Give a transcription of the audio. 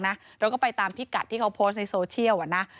เราก็ไปตามพิกัดที่เขาโพสต์ในโซเชียลนะ